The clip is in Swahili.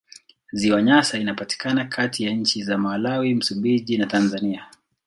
Ziwa Nyasa linapatikana kati ya nchi za Malawi, Msumbiji na Tanzania.